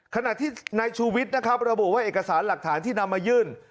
ขณะที่นายชูวิทย์นะครับระบุว่าเอกสารหลักฐานที่นำมายื่น